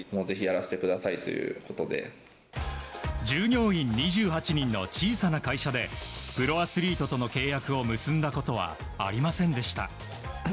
従業員２８人の小さな会社でプロアスリートとの契約を結んだことはありませんでした。